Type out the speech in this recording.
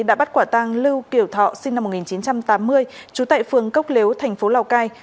đã bắt quả tang lưu kiểu thọ sinh năm một nghìn chín trăm tám mươi trú tại phường cốc lếu thành phố lào cai